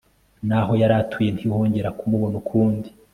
n'aho yari atuye ntihongera kumubona ukundi